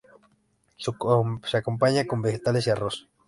Se acompaña con vegetales y arroz.